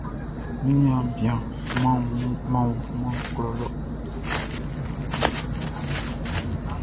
Mi niaan bian, mʼan wunman wɔ lɔ.